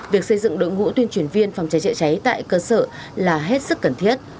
việc xây dựng đội ngũ tuyên truyền viên phòng cháy chữa cháy tại cơ sở là hết sức cần thiết